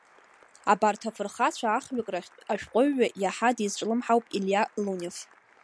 Абарҭ афырхацәа ахҩык рахьтә ашәҟәыҩҩы иаҳа дизҿлымҳауп Илиа Лунев.